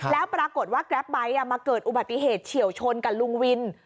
แล้วปรากฏว่าแกรปไบท์มาเกิดอุบัติเหตุเฉียวชนกับลุงวิน